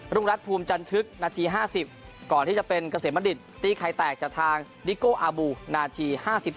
รุงรัฐภูมิจันทึกนาที๕๐ก่อนที่จะเป็นเกษมบัณฑิตตีไข่แตกจากทางนิโก้อาบูนาที๕๒